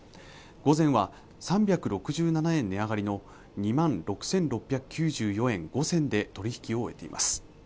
午前は３６７円値上がりの２万６６９４円５銭で取引を終えています